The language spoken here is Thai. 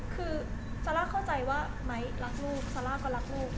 คือซาร่าเข้าใจว่าไม้รักลูกซาร่าก็รักลูก